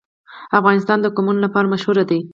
افغانستان د قومونه لپاره مشهور دی.